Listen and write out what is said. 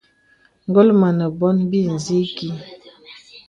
Ngól mə nə bônə bì nzə īkí.